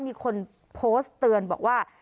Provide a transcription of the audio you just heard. มีคนโพสต์เตือนบอกว่า